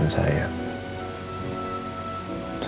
tidak ada yang bisa dikira